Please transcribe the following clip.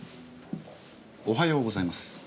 おはようございます。